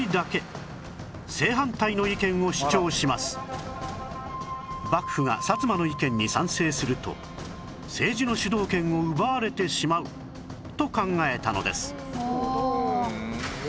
一人だけ幕府が薩摩の意見に賛成すると政治の主導権を奪われてしまうと考えたのです